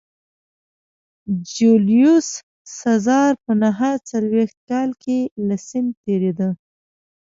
جیولیوس سزار په نهه څلوېښت کال کې له سیند تېرېده